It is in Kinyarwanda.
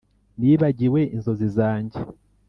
nibagiwe inzozi zanjye.